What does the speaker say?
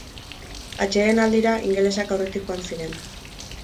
Atsedenaldira ingelesak aurretik joan ziren.